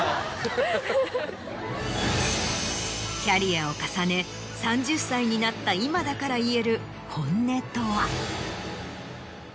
キャリアを重ね３０歳になった今だから言える。